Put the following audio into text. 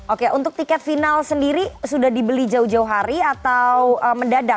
oke untuk tiket final sendiri sudah dibeli jauh jauh hari atau mendadak